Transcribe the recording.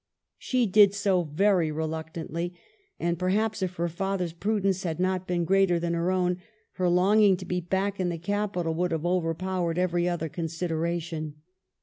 She did so very reluc tantly ; and perhaps if her father's prudence had not been greater than her own, her longing to be back in the capital would have overpowered every other consideration.